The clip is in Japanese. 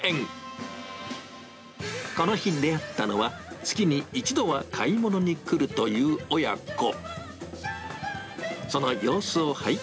この日出会ったのは、月に１度は買い物に来るという親子。